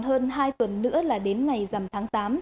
chỉ còn hơn hai tuần nữa là đến ngày dầm tháng tám